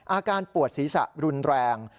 อาการปวดศีรษะรุนแรง